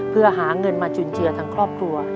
เพื่อหาเงินมาจุนเจือทั้งครอบครัว